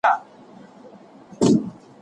آيا انسان له طبيعت څخه زده کړه کوي؟